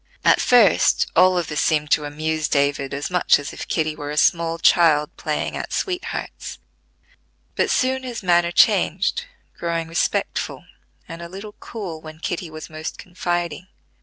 At first all this seemed to amuse David as much as if Kitty were a small child playing at sweethearts; but soon his manner changed, growing respectful, and a little cool when Kitty was most confiding.